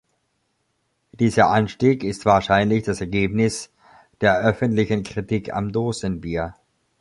Dieser Anstieg ist wahrscheinlich das Ergebnis der öffentlichen Kritik am Dosenbier.